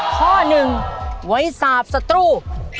ข้อหนึ่งไว้สาบสตรู